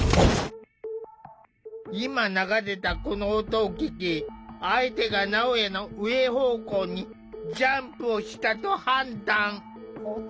今流れたこの音を聞き相手がなおやの上方向にジャンプをしたと判断。